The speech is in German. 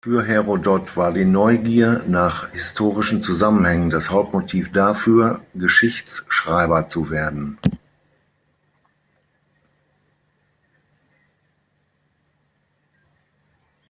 Für Herodot war die Neugier nach historischen Zusammenhängen das Hauptmotiv dafür, Geschichtsschreiber zu werden.